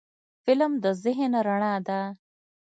فلم د ذهن رڼا ده